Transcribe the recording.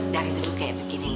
dari dulu kayak begini